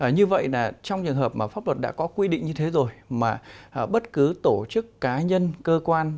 như vậy là trong trường hợp mà pháp luật đã có quy định như thế rồi mà bất cứ tổ chức cá nhân cơ quan